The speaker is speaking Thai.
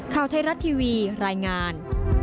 ข่าวไทยรัฐทีวีรายงาน